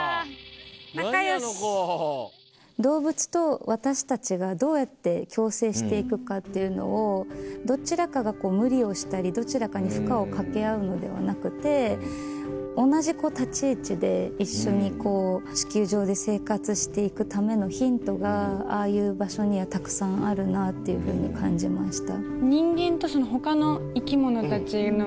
仲良し。っていうのをどちらかが無理をしたりどちらかに負荷をかけ合うのではなくて同じ立ち位置で一緒にこう地球上で生活していくためのヒントがああいう場所にはたくさんあるなっていうふうに感じました。